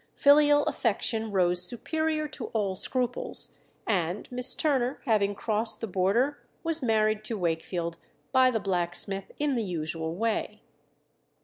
Filial affection rose superior to all scruples, and Miss Turner, having crossed the border, was married to Wakefield by the blacksmith in the usual way.